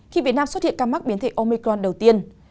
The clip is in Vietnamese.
khi việt nam xuất hiện ca mắc biến thể omicron đầu tiên